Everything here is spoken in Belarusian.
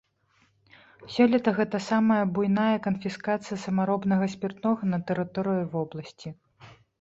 Сёлета гэта самая буйная канфіскацыя самаробнага спіртнога на тэрыторыі вобласці.